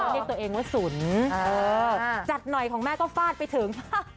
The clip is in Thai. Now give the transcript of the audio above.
เรียกตัวเองว่าสุนจัดหน่อยของแม่ก็ฟาดไปถึง